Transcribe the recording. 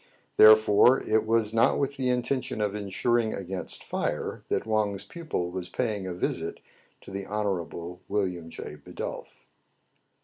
Therefore it was not with the intention of insuring against fire that Wang's pupil was paying a visit to the Honorable William J. Bidulph.